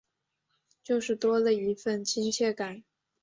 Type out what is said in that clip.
就是多了一分亲切感